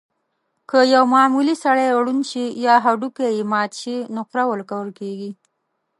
که یو معمولي سړی ړوند شي یا هډوکی یې مات شي، نقره ورکول کېږي.